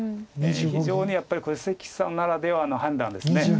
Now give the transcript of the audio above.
非常にやっぱりこれ関さんならではの判断です。